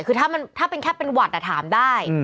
คือถ้าเป็นแค่เป็นหวัดถามได้